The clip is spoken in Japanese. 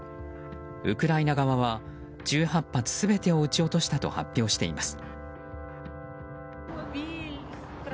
ウクライナ側は、１８発全てを撃ち落としたと発表しています。